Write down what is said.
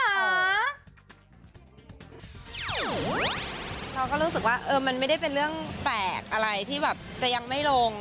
เราก็รู้สึกว่ามันไม่ได้เป็นเรื่องแปลกอะไรที่แบบจะยังไม่ลง